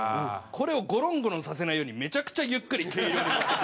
これをゴロンゴロンさせないようにめちゃくちゃゆっくり計量に持っていくんですよ。